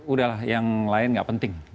udah lah yang lain gak penting